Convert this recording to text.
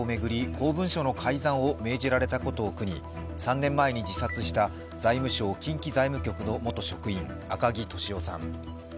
公文書の改ざんを命じられたことを苦に３年前に自殺した財務省近畿財務局の元職員、赤木俊夫さん。